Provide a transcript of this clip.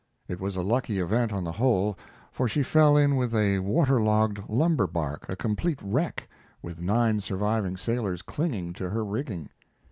It was a lucky event on the whole, for she fell in with a water logged lumber bark, a complete wreck, with nine surviving sailors clinging to her rigging.